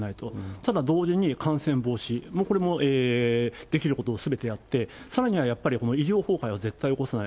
ただ同時に感染防止、これもできることをすべてやって、さらにはやっぱり、医療崩壊は絶対起こさない。